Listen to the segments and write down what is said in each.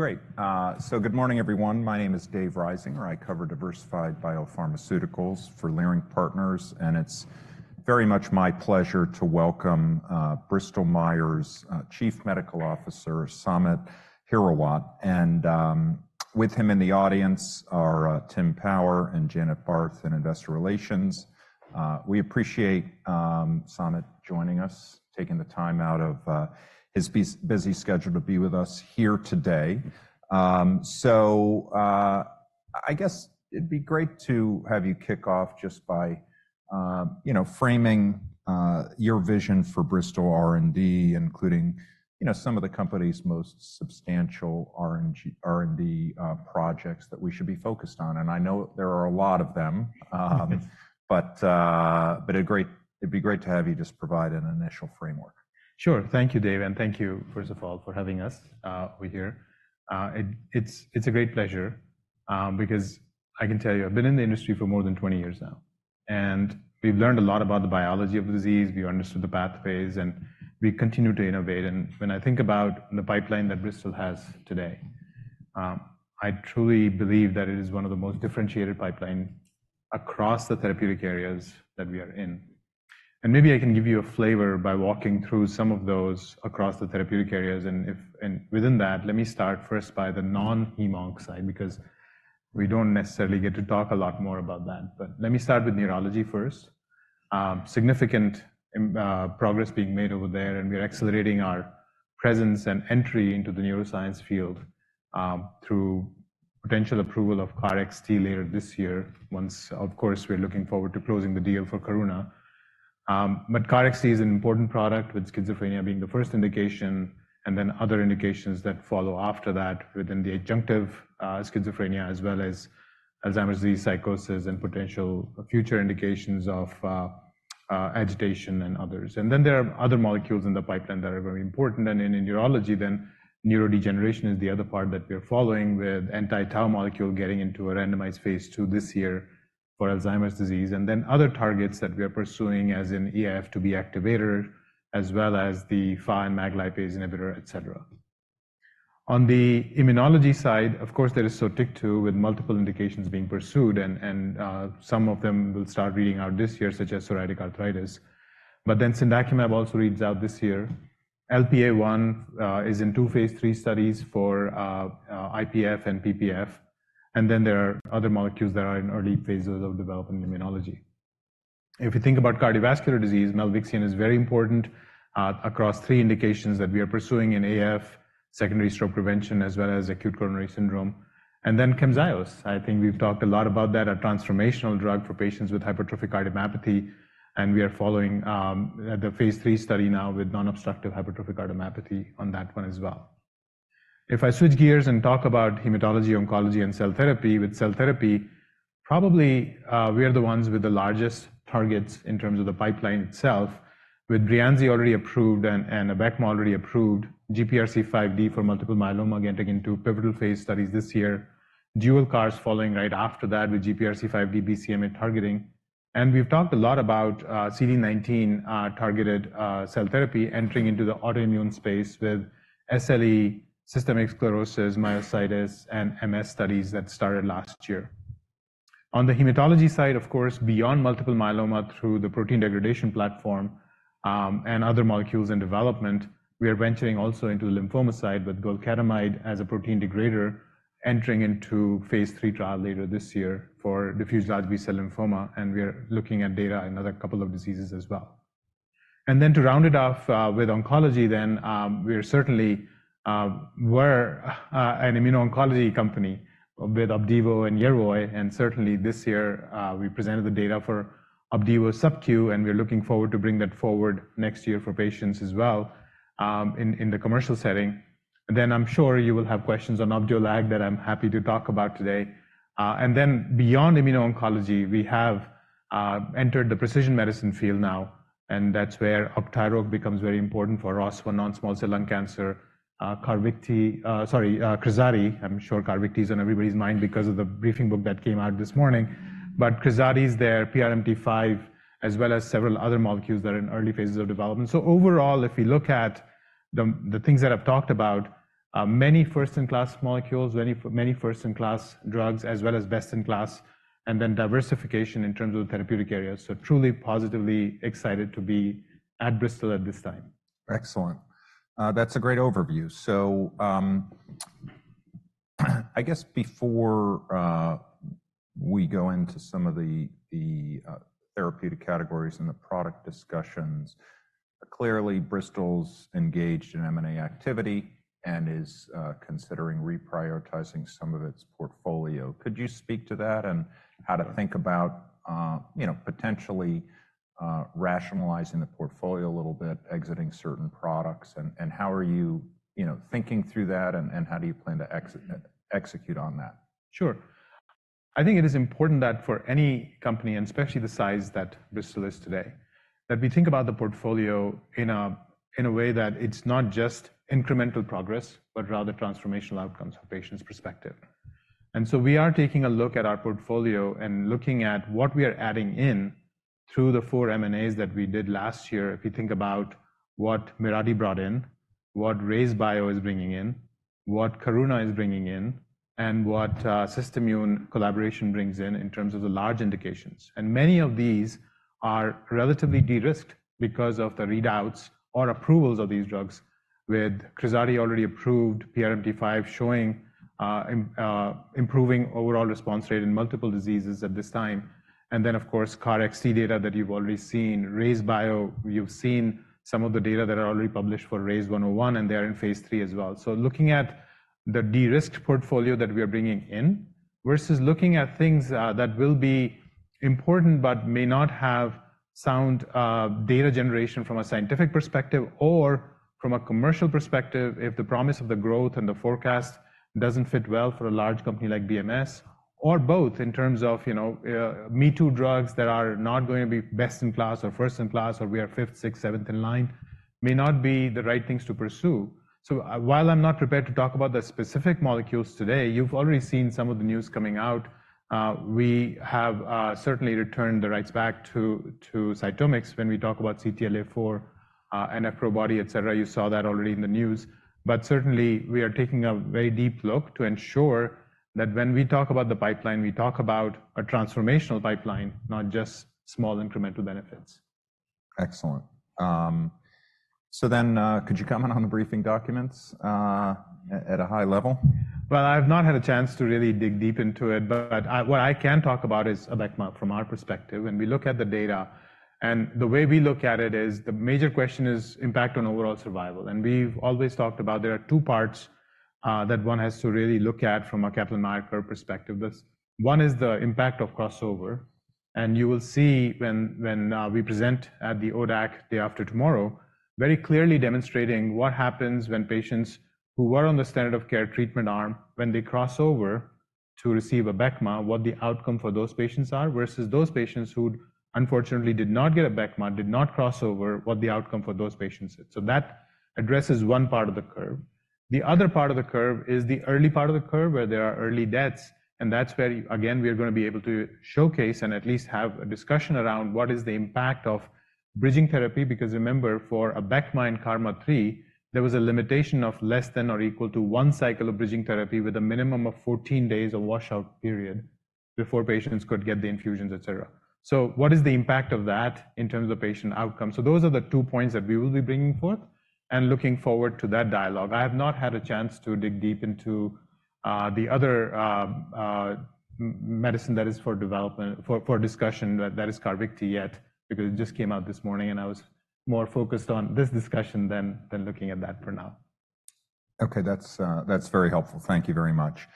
Great. So good morning, everyone. My name is Dave Risinger. I cover diversified biopharmaceuticals for Leerink Partners, and it's very much my pleasure to welcome, Bristol Myers', Chief Medical Officer, Samit Hirawat. And, with him in the audience are, Tim Power and Janet Barth in Investor Relations. We appreciate, Samit joining us, taking the time out of, his busy schedule to be with us here today. So, I guess it'd be great to have you kick off just by, you know, framing, your vision for Bristol R&D, including, you know, some of the company's most substantial R&D, projects that we should be focused on. And I know there are a lot of them, but, but it'd be great to have you just provide an initial framework. Sure. Thank you, Dave, and thank you, first of all, for having us. We're here. It's a great pleasure because I can tell you, I've been in the industry for more than 20 years now, and we've learned a lot about the biology of the disease. We understood the pathways, and we continue to innovate. When I think about the pipeline that Bristol has today, I truly believe that it is one of the most differentiated pipeline across the therapeutic areas that we are in. Maybe I can give you a flavor by walking through some of those across the therapeutic areas, and within that, let me start first by the non-hemo side, because we don't necessarily get to talk a lot more about that. But let me start with neurology first. Significant progress being made over there, and we are accelerating our presence and entry into the neuroscience field through potential approval of KarXT later this year, once, of course, we're looking forward to closing the deal for Karuna. But KarXT is an important product, with schizophrenia being the first indication and then other indications that follow after that within the adjunctive schizophrenia, as well as Alzheimer's disease, psychosis, and potential future indications of agitation and others. And then there are other molecules in the pipeline that are very important. And in neurology, then neurodegeneration is the other part that we are following, with anti-tau molecule getting into a randomized phase 2 this year for Alzheimer's disease. And then other targets that we are pursuing, as in elF2B activator, as well as the fine MAG lipase inhibitor, et cetera. On the immunology side, of course, there is Sotyktu, with multiple indications being pursued, and some of them will start reading out this year, such as psoriatic arthritis. But then Candakimab also reads out this year. LPA1 is in two phase 3 studies for IPF and PPF, and then there are other molecules that are in early phases of development in immunology. If you think about cardiovascular disease, milvexian is very important across three indications that we are pursuing in AF, secondary stroke prevention, as well as acute coronary syndrome. And then Camzyos, I think we've talked a lot about that, a transformational drug for patients with hypertrophic cardiomyopathy, and we are following the phase 3 study now with non-obstructive hypertrophic cardiomyopathy on that one as well. If I switch gears and talk about hematology, oncology, and cell therapy, with cell therapy, probably, we are the ones with the largest targets in terms of the pipeline itself, with Breyanzi already approved and, and Abecma already approved, GPRC5D for multiple myeloma, getting into pivotal phase studies this year. Dual CARs following right after that with GPRC5D BCMA targeting. And we've talked a lot about, CD19 targeted, cell therapy entering into the autoimmune space with SLE, systemic sclerosis, myositis, and MS studies that started last year. On the hematology side, of course, beyond multiple myeloma, through the protein degradation platform, and other molecules in development, we are venturing also into the lymphoma side with golcadomide as a protein degrader, entering into phase 3 trial later this year for diffuse large B-cell lymphoma, and we are looking at data in another couple of diseases as well. And then to round it off with oncology, we are certainly an immuno-oncology company with Opdivo and Yervoy, and certainly this year we presented the data for Opdivo subQ, and we are looking forward to bring that forward next year for patients as well, in the commercial setting. Then I'm sure you will have questions on Opdualag that I'm happy to talk about today. And then beyond immuno-oncology, we have entered the precision medicine field now, and that's where Opdualag becomes very important for us for non-small cell lung cancer. Carvykti, sorry, Krazati, I'm sure Carvykti is on everybody's mind because of the briefing book that came out this morning. But Krazati is there, PRMT5, as well as several other molecules that are in early phases of development. So overall, if we look at the things that I've talked about, many first-in-class molecules, many first-in-class drugs, as well as best-in-class, and then diversification in terms of therapeutic areas. So truly, positively excited to be at Bristol at this time. Excellent. That's a great overview. So, I guess before we go into some of the therapeutic categories and the product discussions, clearly, Bristol's engaged in M&A activity and is considering reprioritizing some of its portfolio. Could you speak to that and how to think about, you know, potentially rationalizing the portfolio a little bit, exiting certain products, and how are you thinking through that, and how do you plan to execute on that? Sure. I think it is important that for any company, and especially the size that Bristol is today, that we think about the portfolio in a way that it's not just incremental progress, but rather transformational outcomes from a patient's perspective. And so we are taking a look at our portfolio and looking at what we are adding through the four M&As that we did last year, if you think about what Mirati brought in, what RayzeBio is bringing in, what Karuna is bringing in, and what SystImmune collaboration brings in, in terms of the large indications. And many of these are relatively de-risked because of the readouts or approvals of these drugs, with Krazati already approved, PRMT5 showing improving overall response rate in multiple diseases at this time. And then, of course, KarXT data that you've already seen. RayzeBio, you've seen some of the data that are already published for RYZ101, and they are in phase 3 as well. So looking at the de-risked portfolio that we are bringing in, versus looking at things, that will be important but may not have sound, data generation from a scientific perspective or from a commercial perspective, if the promise of the growth and the forecast doesn't fit well for a large company like BMS, or both, in terms of, you know, me-too drugs that are not going to be best in class or first in class, or we are fifth, sixth, seventh in line, may not be the right things to pursue. So while I'm not prepared to talk about the specific molecules today, you've already seen some of the news coming out. We have certainly returned the rights back to CytomX when we talk about CTLA-4 and antibody, etc. You saw that already in the news. But certainly, we are taking a very deep look to ensure that when we talk about the pipeline, we talk about a transformational pipeline, not just small incremental benefits. Excellent. So then, could you comment on the briefing documents at a high level? Well, I've not had a chance to really dig deep into it, but what I can talk about is Abecma from our perspective. When we look at the data, and the way we look at it is the major question is impact on overall survival. And we've always talked about there are two parts, that one has to really look at from a capital market perspective. One is the impact of crossover, and you will see when we present at the ODAC day after tomorrow, very clearly demonstrating what happens when patients who were on the standard of care treatment arm, when they crossover to receive Abecma, what the outcome for those patients are, versus those patients who unfortunately did not get Abecma, did not crossover, what the outcome for those patients is. So that addresses one part of the curve. The other part of the curve is the early part of the curve, where there are early deaths, and that's where, again, we are going to be able to showcase and at least have a discussion around what is the impact of bridging therapy. Because remember, for Abecma and KarMMa-3, there was a limitation of less than or equal to one cycle of bridging therapy with a minimum of 14 days of washout period before patients could get the infusions, etc. So what is the impact of that in terms of patient outcome? So those are the two points that we will be bringing forth and looking forward to that dialogue. I have not had a chance to dig deep into the other medicine that is for development, for discussion, that is Carvykti yet, because it just came out this morning and I was more focused on this discussion than looking at that for now. Okay, that's very helpful. Thank you very much.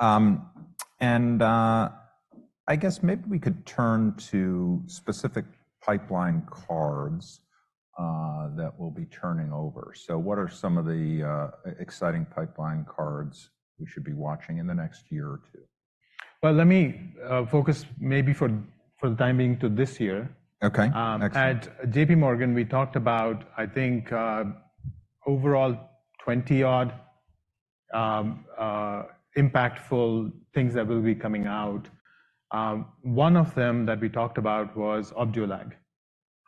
And I guess maybe we could turn to specific pipeline cards that we'll be turning over. So what are some of the exciting pipeline cards we should be watching in the next year or two? Well, let me focus maybe for the time being to this year. Okay, excellent. At J.P. Morgan, we talked about, I think, overall 20-odd impactful things that will be coming out. One of them that we talked about was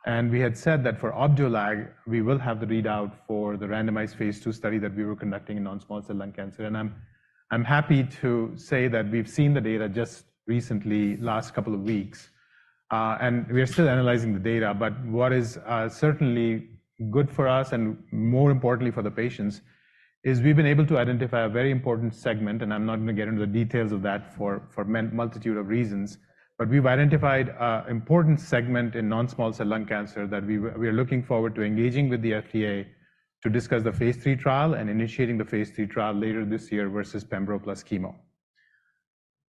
Opdualag. We had said that for Opdualag, we will have the readout for the randomized phase 2 study that we were conducting in non-small cell lung cancer. I'm happy to say that we've seen the data just recently, last couple of weeks, and we are still analyzing the data. But what is certainly good for us, and more importantly for the patients, is we've been able to identify a very important segment, and I'm not going to get into the details of that for a multitude of reasons. But we've identified an important segment in non-small cell lung cancer that we are looking forward to engaging with the FDA to discuss the phase 3 trial and initiating the phase 3 trial later this year versus pembro plus chemo.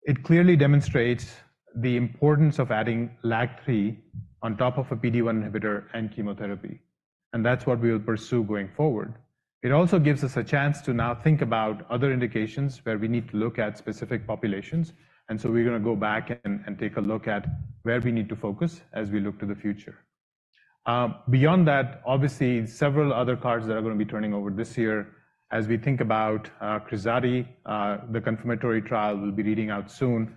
It clearly demonstrates the importance of adding LAG-3 on top of a PD-1 inhibitor and chemotherapy, and that's what we will pursue going forward. It also gives us a chance to now think about other indications where we need to look at specific populations, and so we're going to go back and take a look at where we need to focus as we look to the future. Beyond that, obviously, several other cards that are going to be turning over this year. As we think about Krazati, the confirmatory trial will be reading out soon.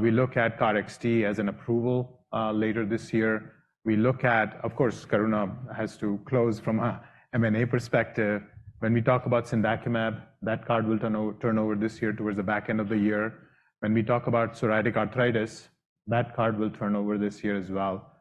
We look at KarXT as an approval later this year. We look at, of course, Karuna has to close from a M&A perspective. When we talk about Cendakimab, that card will turn over this year towards the back end of the year. When we talk about psoriatic arthritis, that card will turn over this year as well.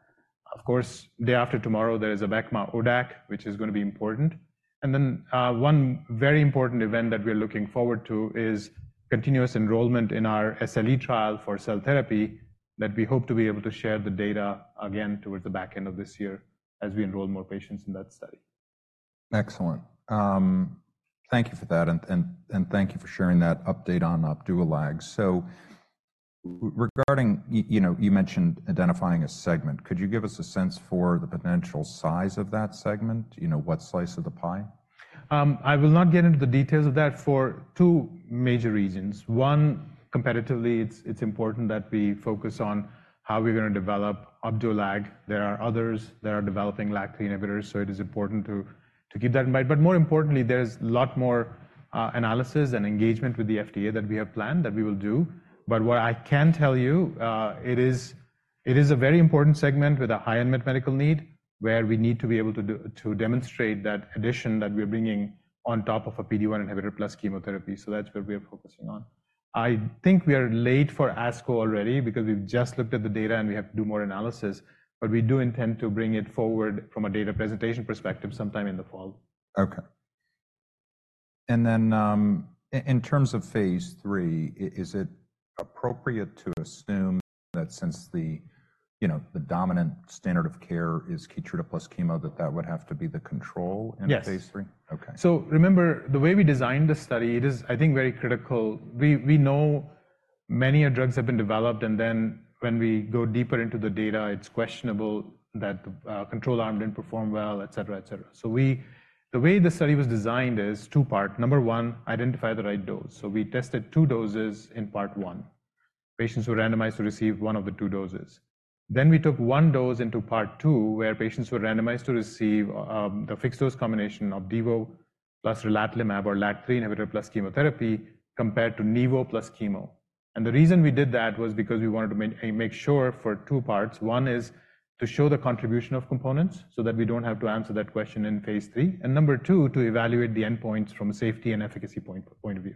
Of course, day after tomorrow, there is Abecma ODAC, which is going to be important. And then, one very important event that we're looking forward to is continuous enrollment in our SLE trial for cell therapy, that we hope to be able to share the data again towards the back end of this year as we enroll more patients in that study. Excellent. Thank you for that, and thank you for sharing that update on Opdualag. So regarding... you know, you mentioned identifying a segment. Could you give us a sense for the potential size of that segment? You know, what slice of the pie? I will not get into the details of that for two major reasons. One, competitively, it's important that we focus on how we're going to develop Opdualag. There are others that are developing LAG-3 inhibitors, so it is important to keep that in mind. But more importantly, there's a lot more analysis and engagement with the FDA that we have planned, that we will do. But what I can tell you, it is a very important segment with a high unmet medical need, where we need to be able to demonstrate that addition that we're bringing on top of a PD-1 inhibitor plus chemotherapy, so that's what we are focusing on. I think we are late for ASCO already because we've just looked at the data, and we have to do more analysis, but we do intend to bring it forward from a data presentation perspective sometime in the fall. Okay. And then, in terms of phase III, is it appropriate to assume that since the, you know, the dominant standard of care is Keytruda plus chemo, that that would have to be the control in phase III? Yes. Okay. So remember, the way we designed the study, it is, I think, very critical. We know many drugs have been developed, and then when we go deeper into the data, it's questionable that the control arm didn't perform well, et cetera, et cetera. So the way the study was designed is two-part. Number one, identify the right dose. So we tested two doses in part one. Patients were randomized to receive one of the two doses. Then we took one dose into part two, where patients were randomized to receive the fixed-dose combination of nivo plus relatlimab or LAG-3 inhibitor plus chemotherapy, compared to nivo plus chemo. And the reason we did that was because we wanted to make sure for two parts. One is to show the contribution of components so that we don't have to answer that question in phase 3. And number two, to evaluate the endpoints from a safety and efficacy point of view.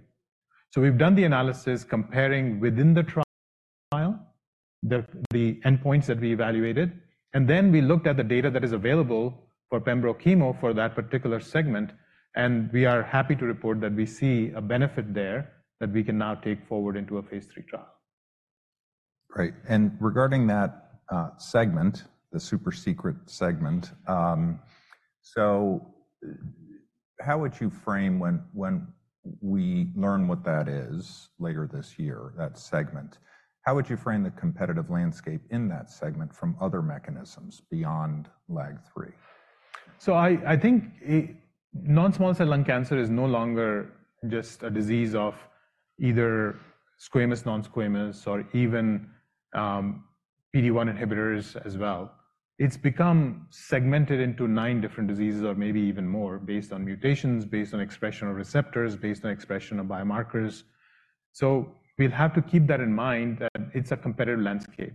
So we've done the analysis comparing within the trial, the endpoints that we evaluated, and then we looked at the data that is available for pembro chemo for that particular segment, and we are happy to report that we see a benefit there that we can now take forward into a phase III trial. Great. And regarding that segment, the super-secret segment, so how would you frame when, when we learn what that is later this year, that segment? How would you frame the competitive landscape in that segment from other mechanisms beyond LAG-3? So I think non-small cell lung cancer is no longer just a disease of either squamous, non-squamous, or even PD-1 inhibitors as well. It's become segmented into nine different diseases or maybe even more, based on mutations, based on expression of receptors, based on expression of biomarkers. So we'll have to keep that in mind, that it's a competitive landscape.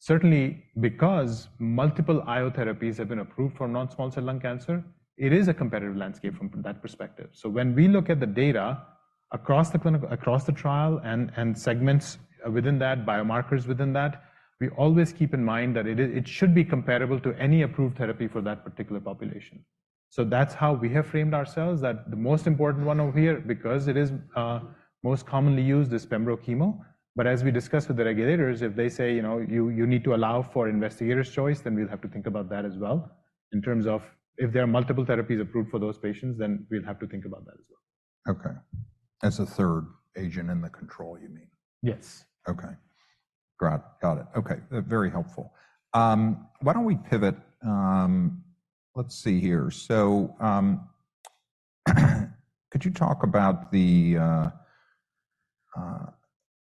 Certainly, because multiple IO therapies have been approved for non-small cell lung cancer, it is a competitive landscape from that perspective. So when we look at the data across the trial and segments within that, biomarkers within that, we always keep in mind that it should be comparable to any approved therapy for that particular population. So that's how we have framed ourselves, that the most important one over here, because it is most commonly used, is pembro chemo. But as we discussed with the regulators, if they say, you know, "You need to allow for investigator's choice," then we'll have to think about that as well, in terms of if there are multiple therapies approved for those patients, then we'll have to think about that as well. Okay. As a third agent in the control, you mean? Yes. Okay. Got it. Okay, very helpful. Why don't we pivot? Let's see here. So, could you talk about the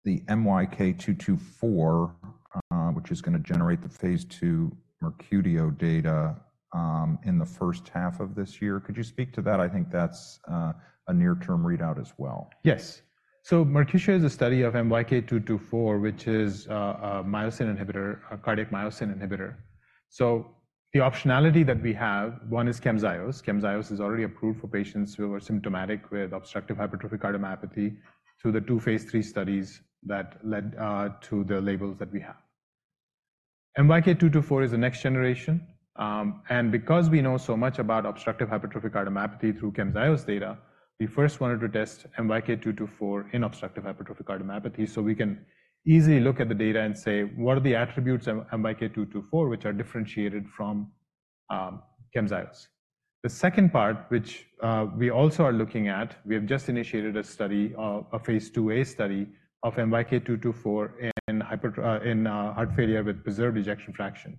MYK-224, which is gonna generate the phase 2 MERCUTIO data in the first half of this year? Could you speak to that? I think that's a near-term readout as well. Yes. So MERCUTIO is a study of MYK-224, which is a myosin inhibitor, a cardiac myosin inhibitor. So the optionality that we have, one is Camzyos. Camzyos is already approved for patients who are symptomatic with obstructive hypertrophic cardiomyopathy through the two phase 3 studies that led to the labels that we have. MYK-224 is the next generation, and because we know so much about obstructive hypertrophic cardiomyopathy through Camzyos data, we first wanted to test MYK-224 in obstructive hypertrophic cardiomyopathy, so we can easily look at the data and say: "What are the attributes of MYK-224, which are differentiated from Camzyos?" The second part, which we also are looking at, we have just initiated a study, a phase 2a study of MYK-224 in heart failure with preserved ejection fraction.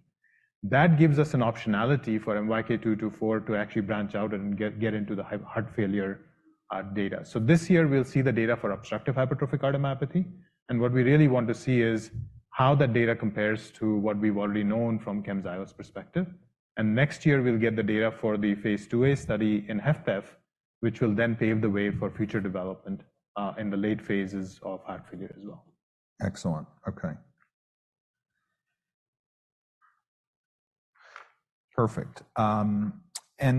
That gives us an optionality for MYK-224 to actually branch out and get into the heart failure data. So this year, we'll see the data for obstructive hypertrophic cardiomyopathy, and what we really want to see is how that data compares to what we've already known from Camzyos perspective. And next year, we'll get the data for the phase IIa study in HFpEF, which will then pave the way for future development in the late phases of heart failure as well. Excellent. Okay. Perfect. And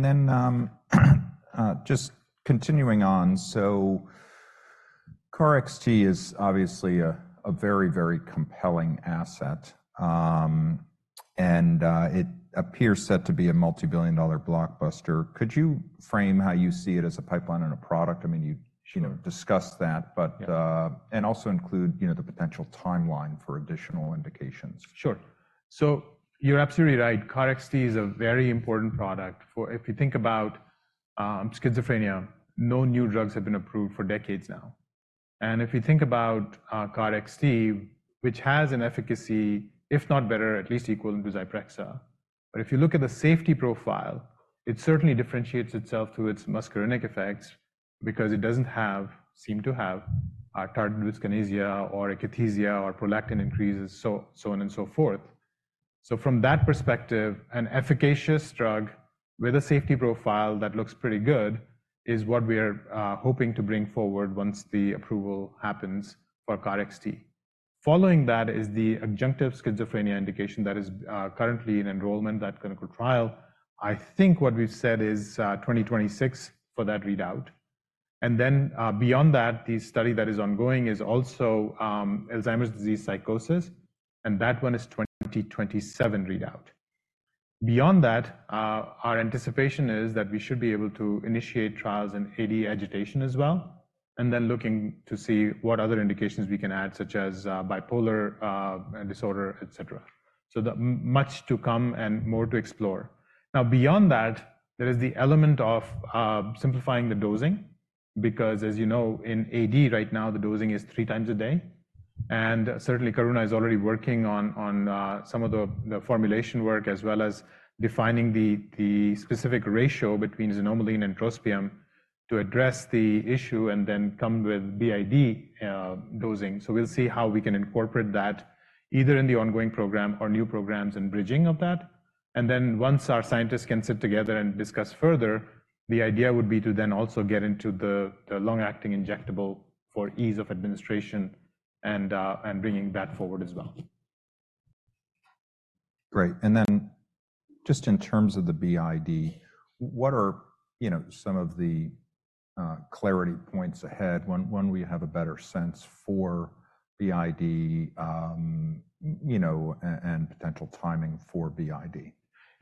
then, just continuing on, so KarXT is obviously a very, very compelling asset. And it appears set to be a multi-billion dollar blockbuster. Could you frame how you see it as a pipeline and a product? I mean, you know, discussed that, but... Yeah. Also include, you know, the potential timeline for additional indications. Sure. So you're absolutely right. KarXT is a very important product, for if you think about, schizophrenia, no new drugs have been approved for decades now. And if you think about, KarXT, which has an efficacy, if not better, at least equivalent to Zyprexa. But if you look at the safety profile, it certainly differentiates itself through its muscarinic effects because it doesn't seem to have tardive dyskinesia or akathisia or prolactin increases, so on and so forth. So from that perspective, an efficacious drug with a safety profile that looks pretty good is what we are hoping to bring forward once the approval happens for KarXT. Following that is the adjunctive schizophrenia indication that is currently in enrollment, that clinical trial. I think what we've said is 2026 for that readout. And then, beyond that, the study that is ongoing is also Alzheimer's disease psychosis, and that one is 2027 readout. Beyond that, our anticipation is that we should be able to initiate trials in AD agitation as well, and then looking to see what other indications we can add, such as bipolar disorder, et cetera. So much to come and more to explore. Now, beyond that, there is the element of simplifying the dosing, because as you know, in AD right now, the dosing is three times a day, and certainly, Karuna is already working on some of the formulation work, as well as defining the specific ratio between xanomeline and trospium to address the issue and then come with BID dosing. So we'll see how we can incorporate that either in the ongoing program or new programs and bridging of that. And then once our scientists can sit together and discuss further, the idea would be to then also get into the long-acting injectable for ease of administration and bringing that forward as well. Great. And then just in terms of the BID, what are, you know, some of the clarity points ahead when we have a better sense for BID, you know, and potential timing for BID?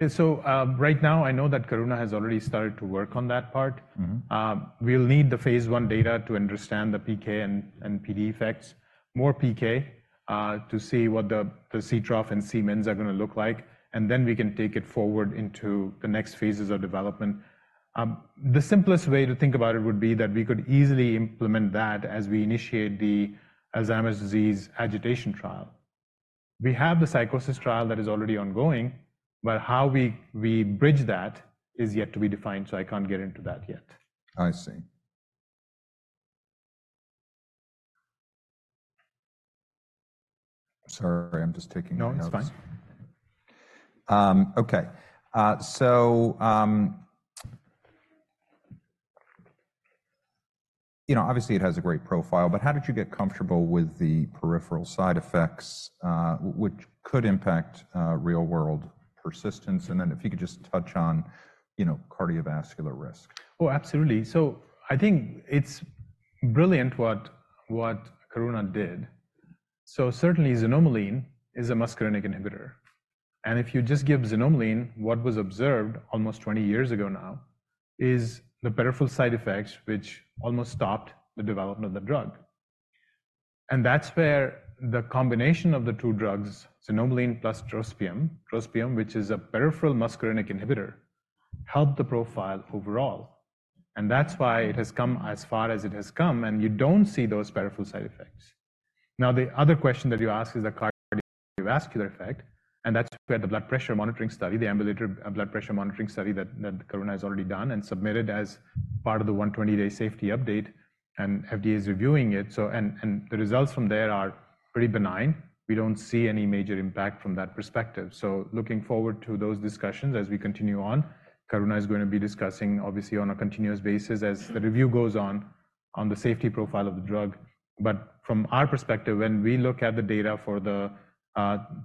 Yeah. Right now, I know that Karuna has already started to work on that part. Mm-hmm. We'll need the phase I data to understand the PK and PD effects. More PK to see what the C trough and C mins are going to look like, and then we can take it forward into the next phases of development. The simplest way to think about it would be that we could easily implement that as we initiate the Alzheimer's disease agitation trial. We have the psychosis trial that is already ongoing, but how we bridge that is yet to be defined, so I can't get into that yet. I see. Sorry, I'm just taking notes. No, it's fine. Okay. So, you know, obviously it has a great profile, but how did you get comfortable with the peripheral side effects, which could impact real-world persistence? And then if you could just touch on, you know, cardiovascular risk. Oh, absolutely. So I think it's brilliant what, what Karuna did. So certainly, xanomeline is a muscarinic inhibitor, and if you just give xanomeline, what was observed almost 20 years ago now, is the peripheral side effects, which almost stopped the development of the drug. And that's where the combination of the two drugs, xanomeline plus trospium, trospium, which is a peripheral muscarinic inhibitor, helped the profile overall. And that's why it has come as far as it has come, and you don't see those peripheral side effects. Now, the other question that you asked is the cardiovascular effect, and that's where the blood pressure monitoring study, the ambulatory blood pressure monitoring study that, that Karuna has already done and submitted as part of the 120-day safety update, and FDA is reviewing it. So... And, and the results from there are pretty benign. We don't see any major impact from that perspective. So looking forward to those discussions as we continue on. Karuna is going to be discussing, obviously, on a continuous basis as the review goes on, on the safety profile of the drug. But from our perspective, when we look at the data for the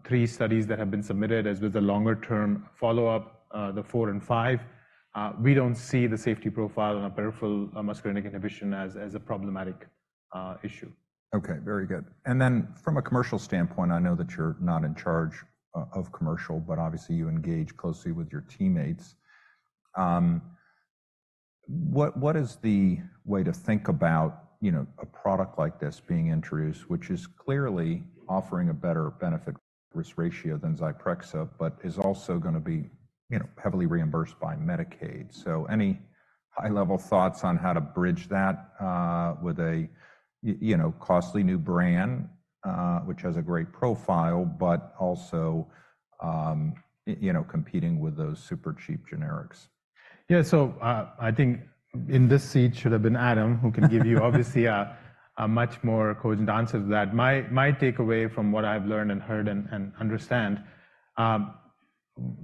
three studies that have been submitted, as with the longer-term follow-up, the four and five, we don't see the safety profile on a peripheral muscarinic inhibition as, as a problematic issue. Okay, very good. And then from a commercial standpoint, I know that you're not in charge of commercial, but obviously, you engage closely with your teammates. What is the way to think about, you know, a product like this being introduced, which is clearly offering a better benefit risk ratio than Zyprexa, but is also going to be, you know, heavily reimbursed by Medicaid? So any high-level thoughts on how to bridge that with a you know, costly new brand, which has a great profile, but also, you know, competing with those super cheap generics? Yeah. So, I think in this seat should have been Adam, who can give you obviously a, a much more cogent answer to that. My, my takeaway from what I've learned and heard and understand,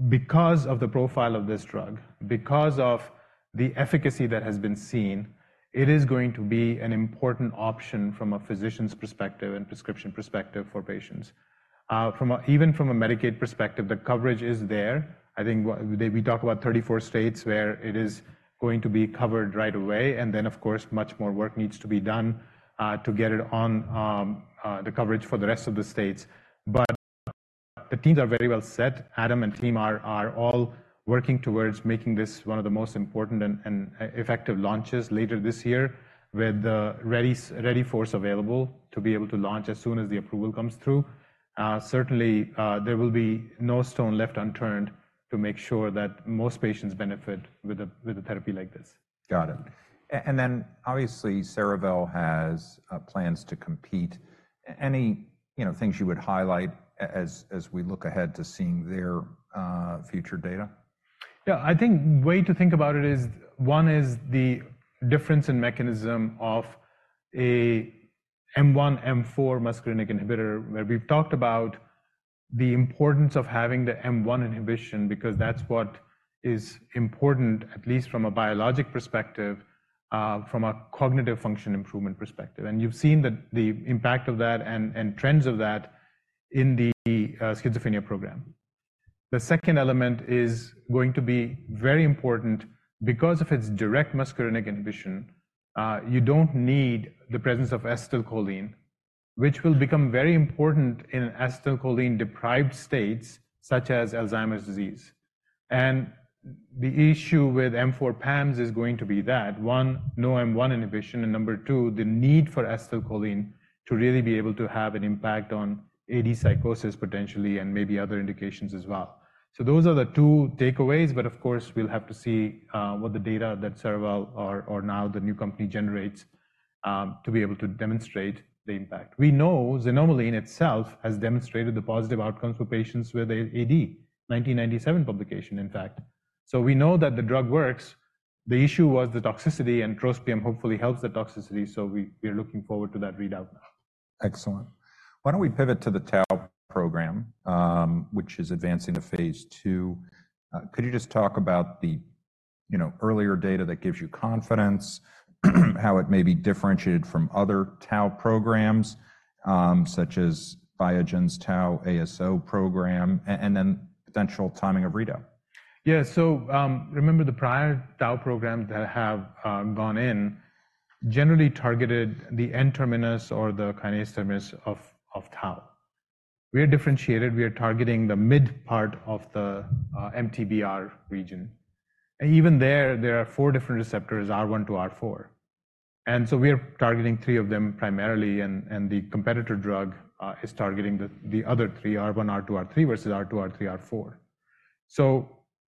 because of the profile of this drug, because of the efficacy that has been seen, it is going to be an important option from a physician's perspective and prescription perspective for patients. From even a Medicaid perspective, the coverage is there. I think we talk about 34 states where it is going to be covered right away, and then, of course, much more work needs to be done to get it on the coverage for the rest of the states. But the teams are very well set. Adam and team are all working towards making this one of the most important and effective launches later this year, with the ready force available to be able to launch as soon as the approval comes through. Certainly, there will be no stone left unturned to make sure that most patients benefit with a therapy like this. Got it. And then obviously, Cerevel has plans to compete. Any, you know, things you would highlight as we look ahead to seeing their future data?... Yeah, I think way to think about it is, one is the difference in mechanism of a M1, M4 muscarinic inhibitor, where we've talked about the importance of having the M1 inhibition, because that's what is important, at least from a biologic perspective, from a cognitive function improvement perspective. And you've seen the impact of that and trends of that in the schizophrenia program. The second element is going to be very important because of its direct muscarinic inhibition. You don't need the presence of acetylcholine, which will become very important in acetylcholine-deprived states such as Alzheimer's disease. And the issue with M4 PAMs is going to be that, one, no M1 inhibition, and number two, the need for acetylcholine to really be able to have an impact on AD psychosis, potentially, and maybe other indications as well. So those are the two takeaways, but of course, we'll have to see what the data that Karuna or now the new company generates to be able to demonstrate the impact. We know xanomeline itself has demonstrated the positive outcomes for patients with AD, 1997 publication, in fact. So we know that the drug works. The issue was the toxicity, and trospium hopefully helps the toxicity, so we're looking forward to that readout now. Excellent. Why don't we pivot to the tau program, which is advancing to phase 2? Could you just talk about the, you know, earlier data that gives you confidence, how it may be differentiated from other tau programs, such as Biogen's tau ASO program, and then potential timing of readout? Yeah. So, remember the prior tau program that have gone in generally targeted the N-terminus or the kinase terminus of tau. We are differentiated. We are targeting the mid part of the MTBR region. Even there, there are 4 different receptors, R1 to R4. And so we are targeting 3 of them primarily, and the competitor drug is targeting the other 3, R1, R2, R3 versus R2, R3, R4. So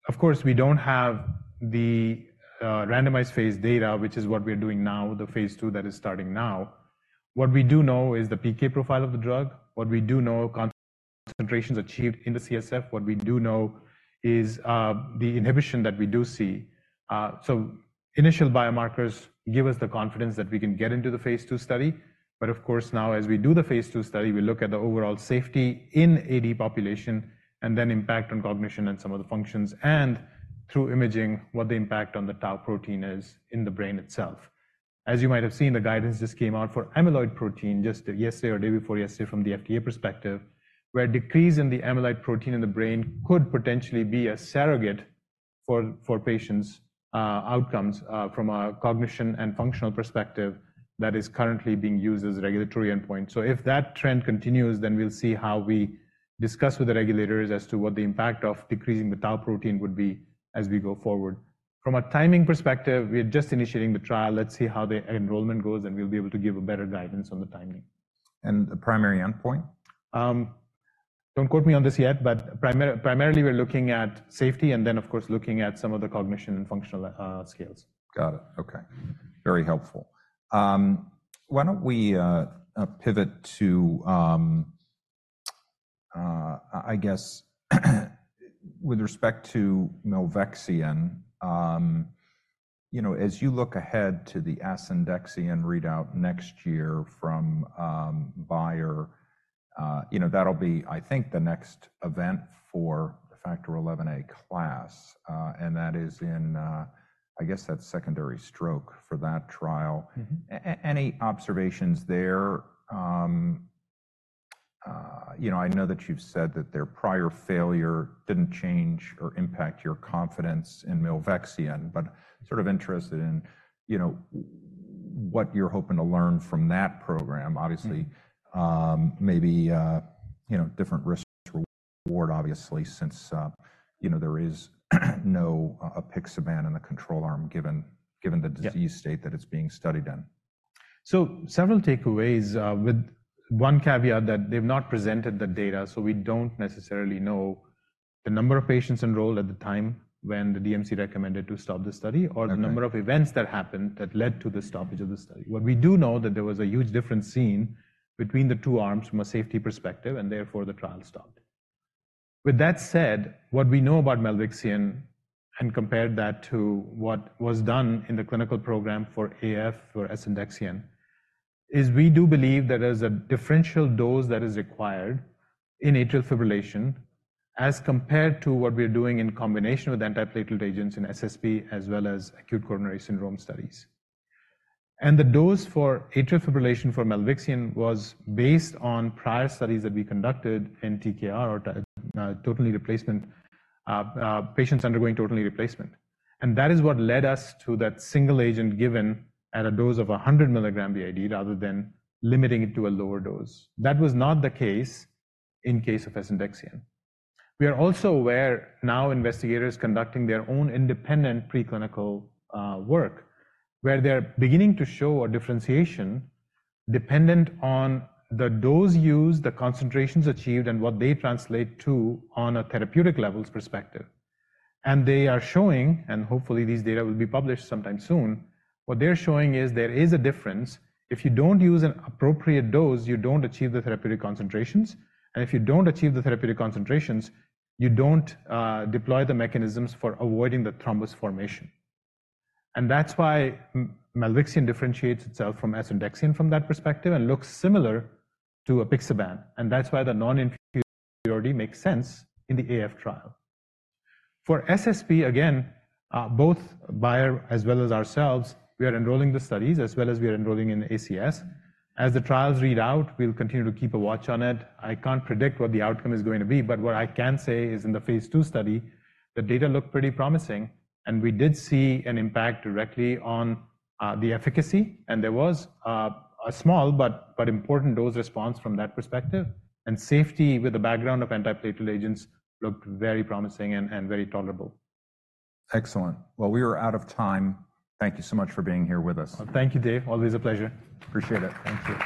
of course, we don't have the randomized phase data, which is what we're doing now, the phase 2 that is starting now. What we do know is the PK profile of the drug. What we do know, concentrations achieved in the CSF. What we do know is the inhibition that we do see. So initial biomarkers give us the confidence that we can get into the phase 2 study. But of course, now as we do the phase 2 study, we look at the overall safety in AD population and then impact on cognition and some of the functions, and through imaging, what the impact on the tau protein is in the brain itself. As you might have seen, the guidance just came out for amyloid protein just yesterday or day before yesterday from the FDA perspective, where a decrease in the amyloid protein in the brain could potentially be a surrogate for, for patients', outcomes, from a cognition and functional perspective that is currently being used as a regulatory endpoint. So if that trend continues, then we'll see how we discuss with the regulators as to what the impact of decreasing the tau protein would be as we go forward. From a timing perspective, we are just initiating the trial. Let's see how the enrollment goes, and we'll be able to give a better guidance on the timing. The primary endpoint? Don't quote me on this yet, but primarily, we're looking at safety and then, of course, looking at some of the cognition and functional scales. Got it. Okay. Very helpful. Why don't we pivot to, I guess, with respect to milvexian, you know, as you look ahead to the asundexian readout next year from Bayer, you know, that'll be, I think, the next event for the factor XIa class, and that is in, I guess, that's secondary stroke for that trial. Mm-hmm. Any observations there? You know, I know that you've said that their prior failure didn't change or impact your confidence in milvexian, but sort of interested in, you know, what you're hoping to learn from that program. Mm. Obviously, maybe, you know, different risk reward, obviously, since, you know, there is no apixaban in the control arm, given the disease- Yeah... state that it's being studied in. Several takeaways, with one caveat that they've not presented the data, so we don't necessarily know the number of patients enrolled at the time when the DMC recommended to stop the study. Okay... or the number of events that happened that led to the stoppage of the study. What we do know that there was a huge difference seen between the two arms from a safety perspective, and therefore, the trial stopped. With that said, what we know about milvexian, and compare that to what was done in the clinical program for AF, for asundexian, is we do believe there is a differential dose that is required in atrial fibrillation as compared to what we are doing in combination with antiplatelet agents in SSP, as well as acute coronary syndrome studies. And the dose for atrial fibrillation for milvexian was based on prior studies that we conducted in TKR, or total knee replacement, patients undergoing total knee replacement. That is what led us to that single agent given at a dose of 100 mg BID, rather than limiting it to a lower dose. That was not the case in case of asundexian. We are also aware now investigators conducting their own independent preclinical work, where they're beginning to show a differentiation dependent on the dose used, the concentrations achieved, and what they translate to on a therapeutic levels perspective. And they are showing, and hopefully, these data will be published sometime soon, what they're showing is there is a difference. If you don't use an appropriate dose, you don't achieve the therapeutic concentrations, and if you don't achieve the therapeutic concentrations, you don't deploy the mechanisms for avoiding the thrombus formation. And that's why milvexian differentiates itself from asundexian from that perspective and looks similar to apixaban, and that's why the non-infusion priority makes sense in the AF trial. For SSP, again, both Bayer as well as ourselves, we are enrolling the studies, as well as we are enrolling in ACS. As the trials read out, we'll continue to keep a watch on it. I can't predict what the outcome is going to be, but what I can say is in the phase 2 study, the data looked pretty promising, and we did see an impact directly on the efficacy, and there was a small but important dose response from that perspective. And safety with the background of antiplatelet agents looked very promising and very tolerable. Excellent. Well, we are out of time. Thank you so much for being here with us. Thank you, Dave. Always a pleasure. Appreciate it. Thank you.